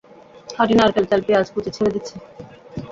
খাঁটি নারকেল তেলে পেঁয়াজ কুচি ছেড়ে দিচ্ছি।